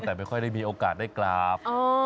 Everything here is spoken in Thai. แต่ไม่ค่อยได้มีโอกาสได้กราบ